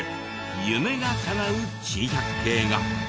夢が叶う珍百景が。